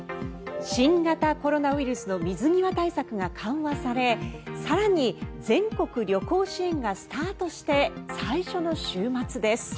新型コロナウイルスの水際対策が緩和され更に全国旅行支援がスタートして最初の週末です。